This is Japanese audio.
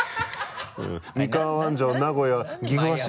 「三河安城名古屋岐阜羽島」